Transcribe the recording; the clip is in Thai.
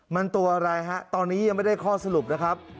มันตัวอะไรฮะตอนนี้ยังไม่ได้ข้อสรุปนะครับ